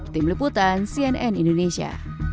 tim liputan cnn indonesia